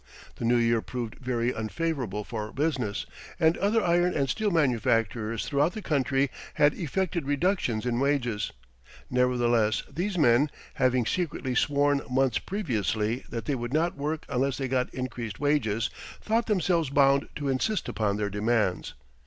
The new year proved very unfavorable for business, and other iron and steel manufacturers throughout the country had effected reductions in wages. Nevertheless, these men, having secretly sworn months previously that they would not work unless they got increased wages, thought themselves bound to insist upon their demands.